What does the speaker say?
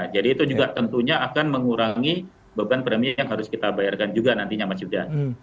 jadi itu juga tentunya akan mengurangi beban premi yang harus kita bayarkan juga nantinya mas yudha